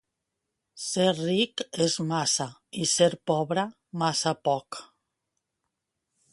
Ser ric és massa i ser pobre, massa poc.